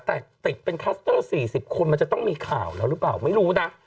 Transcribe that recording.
แต่ติดเป็นคลัสเตอร์๔๐คนมันจะต้องมีข่าวแล้วหรือเปล่าไม่รู้นะ